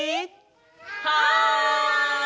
はい！